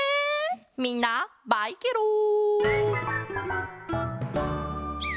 みんなバイケロン！